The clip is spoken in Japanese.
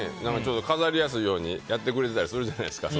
飾りやすいようにやってくれてたりするじゃないですか。